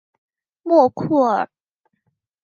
莫库尔。